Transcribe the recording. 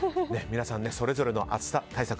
皆さんそれぞれの暑さ対策